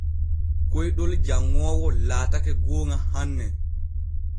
Koyɗol janŋoowo laatake gooŋa hanne.